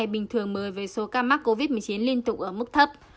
bình thường mới về số ca mắc covid một mươi chín liên tục ở mức thấp